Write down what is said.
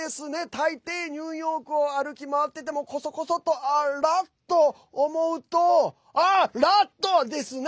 たいていニューヨークを歩き回っていても、こそこそっと「あ、らっ？」と思うと「あ！ラット！」ですね。